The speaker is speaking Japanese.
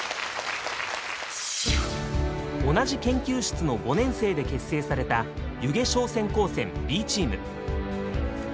同じ研究室の５年生で結成された弓削商船高専Ｂチーム。